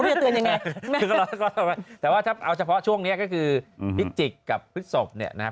ไม่ได้เตือนยังไงแต่ว่าเอาเฉพาะช่วงเนี้ยก็คือพิจิกกับพฤทธิ์ศพเนี้ยนะครับ